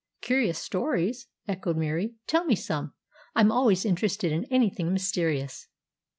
"Curious stories!" echoed Murie. "Tell me some. I'm always interested in anything mysterious."